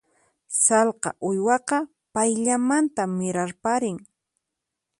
Sallqa uywaqa payllamanta mirarparin.